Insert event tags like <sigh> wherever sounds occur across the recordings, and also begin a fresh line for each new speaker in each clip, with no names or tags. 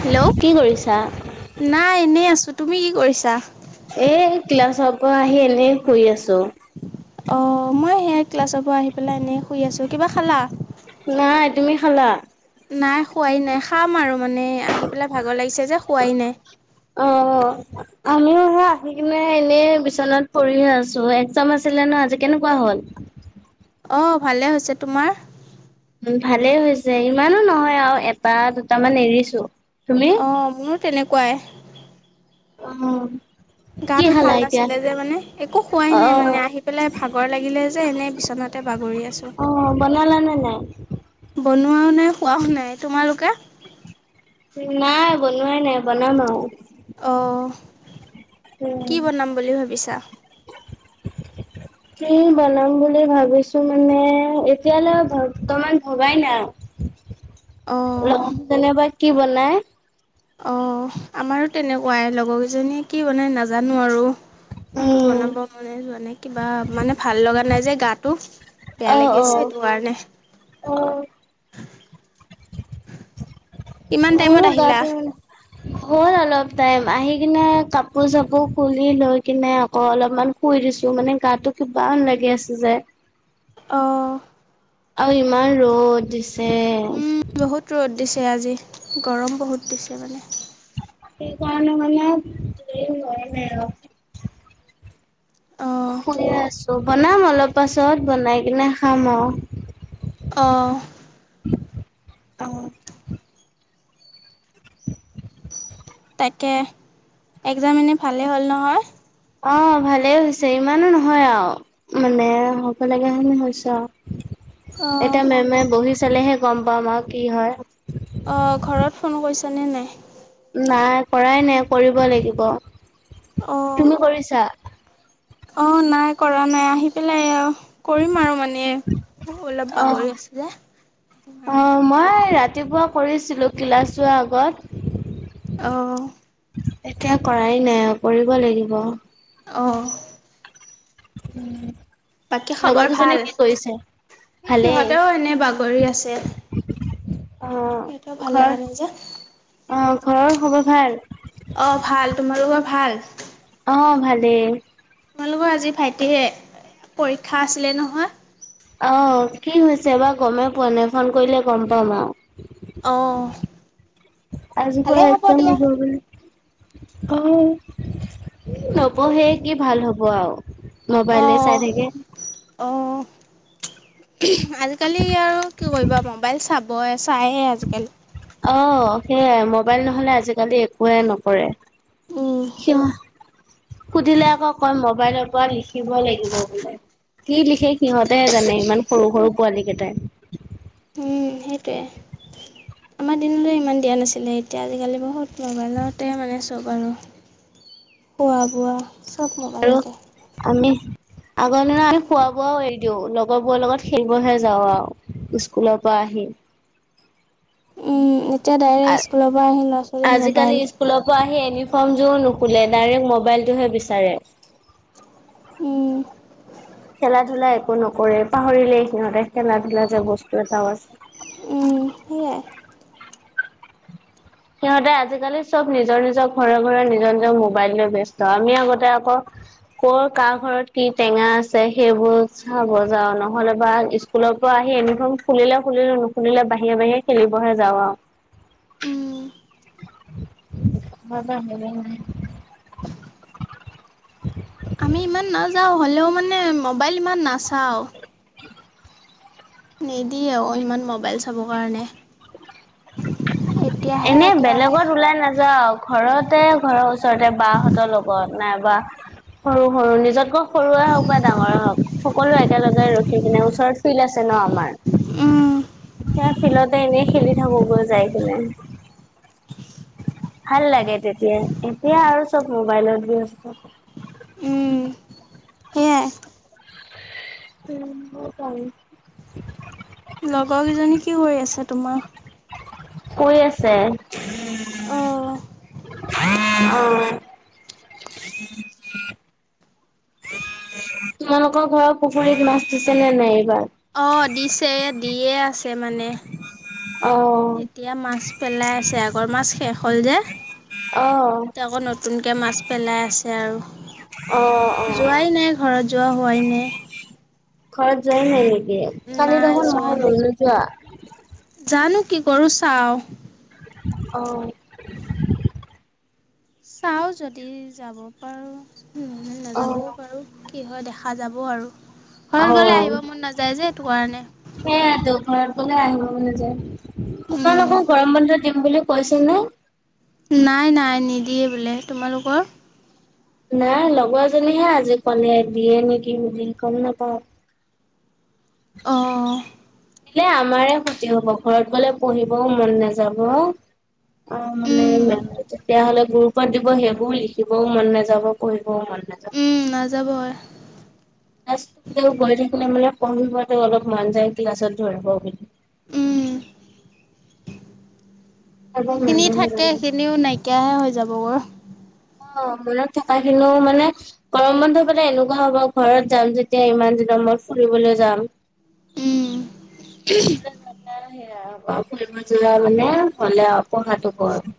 Hello,
কি কৰিছা?
নাই এনেই আছোঁ তুমি কি কৰিছা?
এ ক্লাছৰ পৰা আহি এনে শুই আছোঁ।
অ' মই সেয়া ক্লাছৰ পৰা আহি পেলাই এনে শুই আছো, কিবা খালা?
নাই তুমি খালা?
নাই খোৱাই নাই খাম আৰু মানে আহি পেলাই ভাগৰ লাগিছে যে খোৱাই নাই।
অ' আমি সি কিনে এনেই বি্বনাত পঢ়ি আছো এক্জাম আছিলে ন আজি কেনেকুৱা হল? <inaudible>
অ' ভালে হৈছে, তোমাৰ?
উ ভালেই হৈছে ইমানো নহয় আৰু এটা দুটামান এৰিছো। তুমি?
অ' মোৰো তেনেকুৱাই।
উম।
গাটো ভাল নাছিলে যে মানে, একো খোৱাই নাই মানে
অ',
আহি পেলাই ভাগৰ লাগিলে যে এনে বিচনাত তাতে বাগৰি আছোঁ।
অ' বনালা নে নাই?
বনোৱাও নাই হোৱাও নাই, তোমালোকে?
নাই বনোৱাই নাই বনাম আৰু।
অ'
উম,
কি বনাম বুলি ভাবিছা?
<inaudible> কি বনাম বুলি ভাবিছো মানে এতিয়ালৈ বৰ্তমান ভবাই নাই। ল
অঁ
যেনিবা কি বনাই
অ' আমাৰো তেনেকুৱাই লগৰ কেইজনীয়ে কি মানে নাজানো আৰু। মটো বনাব মনে যোৱা নাই কিবা মানে ভাল লগা নাই যে গাটো। বেয়া
অ',
লাগি আছে
অ',
এইটো কাৰণে।
অ',
কিমান টাইমত
মোৰো
আহিলা?
গাটো, হল আৰু অলপ টাইম আহি কিনে কাপোৰ চাপোৰ খুলি লৈ কিনে আকৌ অলপমান শুই দিছো মানে তো কি লাগি আছে যে।
অ'।
আৰু ইমান ৰ'দ দিছে।
উম বহুত ৰ'দ দিছে আজি গৰম বহুত দিছে মানে।
সেইকাৰণে মানে ন নাই আৰু।
অঁ
শুয়ে আছো বনাম অলপ পাছত বনাই কিনে খাম আৰু।
অঁ
অ'।
তাকে, এক্জাম এনেই ভালেই হ'ল নহয়?
অ' ভালেই হৈছে ইমানো নহয় আৰু। মানে হ'ব লগা হেনে হৈছো আৰু।
অঁ
এতিয়া মেমে বহি চালেহে গম পামাম আৰু কি হয়।
অ, ঘৰত ফোন কৰিছ নে নাই?
নাই কৰাই নাই কৰিব লাগিব,
অঁ
তুমি কৰিছা?
অঁ নাই কৰা নাই, আহি পেলাই এয়া, কৰিম আৰু মানে। নে, মইও অলপ
অ',
বাগৰি আছোঁ যে, সেই কাৰণে
অ', মই ৰাতিপুৱা কৰিছিলোঁ ক্লাছ যোৱাৰ আগত।
অ,
এতিয়া কৰাই নাই আৰু, কৰিব লাগিব।
অ'।
উম।
বাকী খবৰ ভাল, সেই
ভালেই
সিহঁতেও এনে বাগৰি আছে।
অ',
সিহঁতেও ভাল
ঘৰ
লগা নাই যে।
অ', ঘৰৰ খবৰ ভাল?
অ' ভাল তোমালোকৰ ভাল?
অ' ভালেই।
তোমালোঁকৰ আজি ভাইটিয়ে পৰীক্ষা আছিলে নহয়।
অ, কি হৈছে বা গমেই পোৱা নাই, ফোন কৰিলে গম পাম আৰু।
অ',
আজি পৰা
ভালেই
এক্সাম
দিয়া।
হব বুলে। অ, নপঢ়েই, কি ভাল হ'ব আও।
অ', অ, আজিকালি আৰু কি কৰিবা ম'বাইল চাব বয়ে চাইয়ে আজিকালি।
অ', সেয়াই ম'বাইল নহলে আজিক কালি একোৱে নকৰে,
উম,
সিহ সুধিলে আকৌ কয় ম'ব বাইলৰ পৰা লিখিব লাগিব বোলে। কি লিখে সিহঁতেহে জানে, ইমান সৰু-সৰু পোৱালি কেইটাই।
উম, সেইটোৱে। আমাৰ দিনটোৱে ইমান দিয়া নাছিলে, এতিয়া আজিকালি বহুত ম'বাইলতে মানে চব আৰু। খোৱা বোৱা চব
আৰু
ম'বাইলতে।
আমি আগৰ দিনত আমি খোৱা বোৱাও এৰি দিও লগৰবোৰৰ লগত খেলিবহে যাওঁ আৰু স্কুলৰ পৰা আহি।
উম, এতিয়া ডাইৰেক্ট স্কুলৰ পৰা আহি ল'ৰা ছোৱালীৰ
আজ-আজিকালি
মোবাইল
স্কুলৰ পৰা আহি এনি ফৰ্মযোৰো নোখোলে, ডাইৰেক্ট ম'বাইলটোহে বিচাৰে।
উম,
খেলা ধূলা একো নকৰে, পাহৰিলেই সিহঁতে খেলা ধূলা যে বস্তু এটাও আছে।
উম, সেয়াই।
সিহঁতে আজিকালি চব নিজৰ-নিজৰ ঘৰে-ঘৰে নিজৰ-নিজৰ ম'বাইল লৈ ব্যস্ত, আমি আগতে আকৌ কৰ কাৰ ঘৰত কি টেঙা আছে সেইবোৰ চাব যাওঁ, নহ'লে বা স্কুলৰ পৰা আহি ইউনিফৰ্ম খুলিলে খুলিলো, নুখুলিলে বাহিৰে-বাহিৰে খেলিবহে যাওঁ আৰু। <unintelligible> <unintelligible>
আমি ইমান নাযাওঁ, হ'লেও মানে ম'বাইল ইমান নাচাওঁ।
<unintelligible>
নিদিয়েও ইমান ম'বাইল চাব কাৰণে। এতিয়াহে
এনে
একেবাৰে
বেলেগত ওলাই নাযাওঁ, ঘৰতে ঘৰৰ ওচ ৰতে বা হঁতৰ লগত নাইবা সৰু-সৰু নিজতকৈ সৰুৱেই হওক বা ডাঙৰেই হওক, সকলো একেলগে ৰখি কিনে, ওচৰত ফিল্ড আছে ন' আমাৰ
উম,
সেয়া ফিল্ডতে এনেই খেলি থাকোগৈ যাই কিনে। ভাল লাগে তেতিয়া এতিয়া আৰু চব মোবাইলত ব্যস্ত।
উম,
<inaudible>
সেয়াই
ফুৰিব পাৰি।
লগৰ কেইজনী কি কৰি আছে তোমাৰ?
কৈ আছে।
অঁ
অ'। তোমালোকৰ ঘৰৰ পুখুৰীত মাছ দিছে নে নাই এইবাৰ?
অ দিছে দিয়ে আছে মানে,
অ
এতিয়া মাছ পেলাই আছে, আগৰ মাছ শেষ হ'ল যে।
অ
এতিয়া
অ
আকৌ নতুনকে মাছ পেলাই আছে আৰু।
অ
যোৱাই নাই, ঘৰত যোৱা হোৱাই নাই।
ঘৰত যোৱাই নাই নেকি? কালি
নাই
দেখোন
যোৱাই নাই,
নহলেই যোৱা।
জানো কি কৰো, চাওঁ।
অ',
চাও যদি যাব পাৰো
অ',
নাযাবও পাৰো। কি হয় দেখা যাব আৰু। ঘৰত গ'লে
অ'
আহিব মন নাযায় যে সেইটো কাৰণে।
সেই আ দোকৰৰ প আহিব। য
উম,
তোমালোকক গৰম বানধত দিম বুলি কৈছিল নে?
নাই নাই নিদিয়ে বোলে তোমালোকৰ?
নাই লগৰজনীহে আজি কলে দিয়ে নেকি বুলি গম নাপাও। <inaudible>
অ'।
পিলে আমাৰে কুতি হব ঘৰত গলে পঢ়িবও মন নাযাব। অ'
উম,
মানে তেতিয়া হলে গুৰুপৰত দিব সেইবোৰ লিখিবও মন নাযাব পঢ়িবও মন <inaudible>
উম নাযাব আৰু।
ক্ গৈ থাকে ম কম ম অলপ মন যায় ক্লছত ধৰিব বুলি।
উম। যিখিনি থাকে সেইখিনিও নাইকিয়াহে হৈ যাব গৈ।
অ' মনত থকা খিনিও মানে গৰম বন্ধ পলে এনেকুৱা হ'ব ঘৰত যাম যেতিয়া ইমান যেতিয়া নম্বৰ ফুৰিবলৈ যাম।
উ <inaudible>
সেয়া ফুৰিব যোৱা মানে হলে আৰু পঢ়াটো কৰ। <inaudible>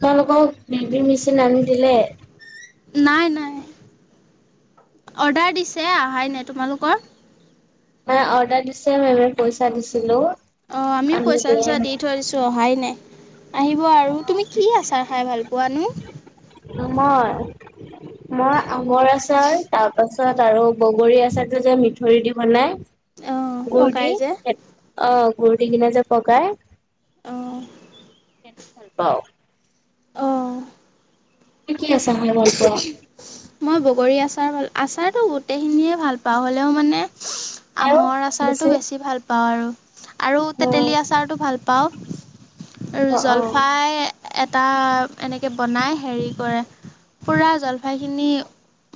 তেওঁলোকক বেব মেচিন আনি দিলে।
নাই নাই। অৰ্ডাৰ দিছে অাই ন তোমালোকৰ?
ম অৰ্ডাৰ দিছে ম পইচা দিছিলো।
অ' আমি
আনি
পইচা
দিয়ে
চইচা দি থৈছো অহাই নাই। আহিব আৰু, তুমি কি আচাৰ খাই ভাল পোৱানো?
<inaudible> মই আঙৰ আচাৰ তাৰ পাছত আৰু বগৰী আচাৰতটো যে মিঠৰি দি বনাই।
অঁ পগাই
গুৰ্দি
যে
অ' গুৰ্দি কিনা যে পগাই।
অঁ
সেইটো ভাল পাও।
অ'।
তুমি কি আছাৰ খাই ভাল পোৱা?
মই বগৰী আচাৰ ভাল আচাৰতটো গোটেইখিনিয়ে ভাল পাওঁ হ'লেও মানে আমৰ আচাৰটো বেছি ভাল পাওঁ আৰু। আৰু
অ',
তেতেলী আচাৰটো ভাল পাওঁ, আৰু
অ', অ'।
জলফাই এটা এনেকৈ বনাই হেৰি কৰে, পুৰা জলফাইখিনি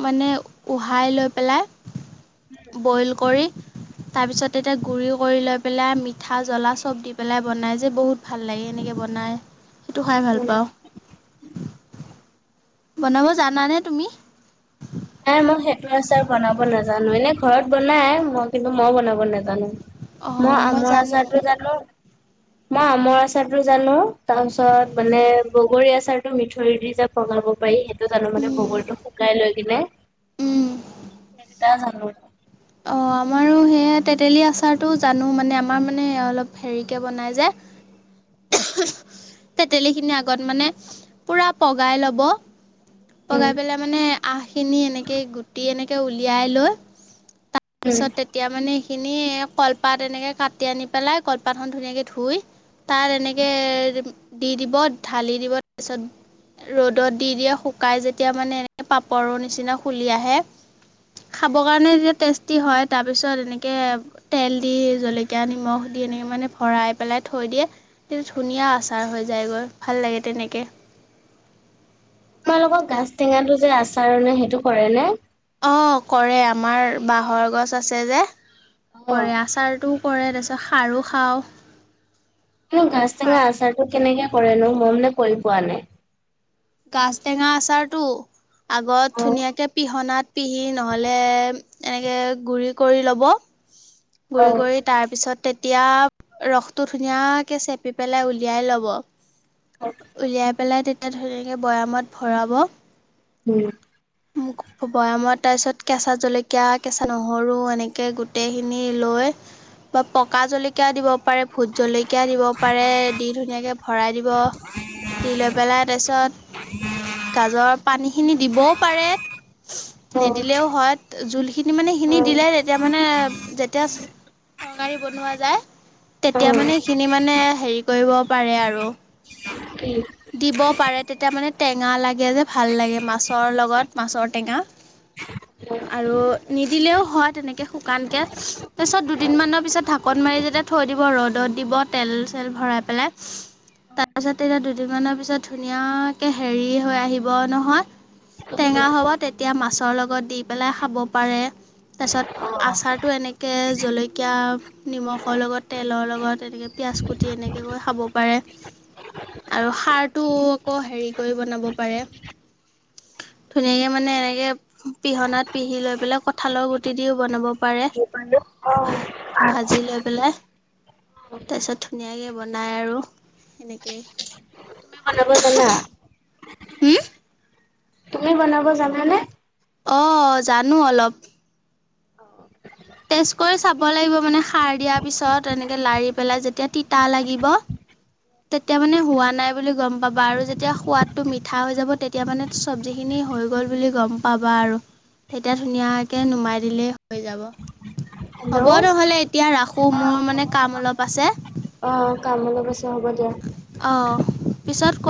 মানে উহাই লৈ পেলাই বইল কৰি
উ
তাৰপিছত এতিয়া গুড়ি কৰি লৈ পেলাই মিঠা জ্বলা চব দি পেলাই বনাই যে বহুত ভাল লাগে এনেকৈ বনায় নাই টো খাই ভাল পাও বনাব জানানে তুমি
নাই মই সেইটো আছাৰ বনাব নাজানো এনে ঘৰত বনাই মই কিন্তু মইও বনাব নাজানো মই
অঁ
আমৰ
জানো
আচাৰটো জানো মই আমৰ আচাৰতটো জানো তাৰপিছত মানে বগৰী আচাৰতটো মিঠ থৰি দি যে বঙাব পাৰি সেইটো তাৰ মানে বগলটো শুকাই লৈ <unintelligible>
অ' আমাৰো সেয়া তেতেলী আচাৰটো জানো মানে আমাৰ মানে অলপ হেৰিকে বনাই যে।
<inaudible>
তেতেলী খিনি আগত মানে পুৰা পগাই ল'ব।
উম,
পগাই পেলাই মানে আহখিনি এনেকে গুটি এনেকে উলিয়াই লৈ
উম,
তাৰপিছত তেতিয়া মানে খিনি কলপাত এনেকে কাটি আনি পেলাই কলপাত খন ধুনীয়াকে ধুই, তাত তেনেক দি দিব ঢালি দিব তাৰপিছত ৰ'দত দি দিয়ে শুকাই যেতিয়া মানে এ পাপৰৰ নিচিনা খুলি আহে খাব কাৰণে যেতিয়া টেষ্টি হয় তাৰ পিছত এনেকে তেল দি জলকীয়া নিমখ দি এনেকৈ মানে ভৰাই পেলাই থৈ দিয়ে ধুনীয়া আচাৰ হৈ যায়গৈ ভাল লাগে তেনেকৈ
তোমালোকৰ গাজ টেঙাটো যে আচাৰ নে সেইটো কৰে নে
অ কৰে আমাৰ বাঁহৰ গছ আছে যে
অ',
কৰে আচাৰটোও কৰে তাৰপিছত খাৰো খাওঁ
গাছ টেঙা
খাৰ
আচাৰটো কেনেকে কৰেনো ম ই মানে কৰি পোৱা নাই
গাছটেঙা আচাৰটো আগত
অ',
ধুনীয়াকে পিহনাত পিহি নহ'লে এনেকৈ গুৰি কৰি লব গুৰি
অ',
কৰি তাৰপিছত তেতিয়া ৰসটো ধুনীয়াকে চেপি পেলাই উলিয়াই ল'ব উলিয়াই পেলাই তেতিয়া ধুনীয়াকৈ বৈয়ামত ভৰাব
উম
বয়ামত তাৰ পিছত কেঁচা জলকীয়া কেঁচা নহৰু এনেকে গোটেইখিনি লৈ পকা জলকীয়া দিব পাৰি পাৰে ভোট জলকীয়া দিব পাৰে দি ধুনীয়াকে ভৰাই দিব দি লৈ পেলাই তাৰপিছত গাজৰ পানীখিনি দিব
উ
নিদিলেও হয় জোল খিনি মানে খিনি দিলে তেতিয়া মানে যেতিয়া বনোৱা যায় তেতিয়া মানে সেইখিনি মানে হেৰি কৰিব পাৰে আৰু দিব পাৰে তেতিয়া মানে টেঙা লাগে যে ভাল লাগে মাছৰ লগত মাছৰ টেঙা আৰু নিদিলেও হয় তেনেকে শুকানকে তাৰপিছত দুদিনমানৰ পিছত ঢাকোন মাৰি যাতে থৈ দিব ৰ'দত দিব তেল চেল ভৰাই পেলাই তাৰপাছত তেতিয়া দুদিনমান দুিনমানৰ পিছত ধুনীয়াকৈ হেৰি হৈ আহিব নহয় টেঙা হ'ব তেতিয়া মাছৰ লগত দি পেলাই খাব পাৰে তাৰপিছত আচাৰটো এনেকৈ জলকীয়া নিমখৰ লগত তেলৰ লগত এনেকৈ পিয়াঁজ কুটি এনেকৈ এনেকৈ খাব পাৰে
হয়
আৰু সাৰটো আকৌ হেৰি কৰি বনাব পাৰে ধুনীয়াকে মানে এনেকে পিহনাত পিহি লৈ পেলাই কঠাঁলৰ গুটি দিও বনাব পাৰে
অ
ভা ভাজি লৈ পেলাই তাৰপিছত ধুনীয়াকে বনাই আৰু
তুমি বনাব জানা
উম
তুমি বনাব জানানে?।
অ', জানো অলপ। টেষ্ট কৰি চাব লাগিব মানে সাৰ দিয়াৰ পিছত এনেকে লাৰি পেলাই যেতিয়া তিতা লাগিব। তেতিয়া মানে হোৱা নাই বুলি গম পাবা, আৰু যেতিয়া সোৱাদটো মিঠা হৈ যাব তেতিয়া মানে চব্জি খিনি হৈ গ'ল বুলি গম পাবা আৰু। তেতিয়া ধুনীয়াকে নুমাই দিলেই হৈ যাব। হ'ব
হেল্ল'
নহ'লে এতিয়া ৰাখো মোৰ মানে কাম অলপ আছে
অ কাম অলপ আছে হ'ব দিয়া
অঁ পিছত কৰে